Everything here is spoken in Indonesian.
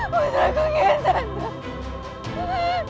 puteraku kian santak